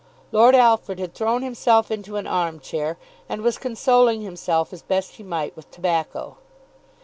Lord Alfred had thrown himself into an arm chair, and was consoling himself as best he might with tobacco.